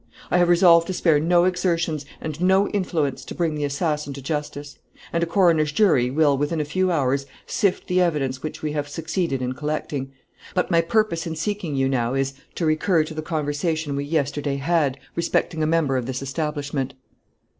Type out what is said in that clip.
I have resolved to spare no exertions, and no influence, to bring the assassin to justice; and a coroner's jury will, within a few hours, sift the evidence which we have succeeded in collecting. But my purpose in seeking you now is, to recur to the conversation we yesterday had, respecting a member of this establishment."